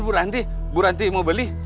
bu ranti bu ranti mau beli